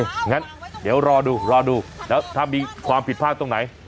งั้นเดี๋ยวรอดูรอดูแล้วถ้ามีความผิดพลาดตรงไหน